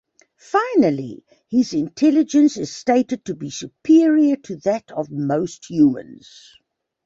Finally, his intelligence is stated to be superior to that of most humans.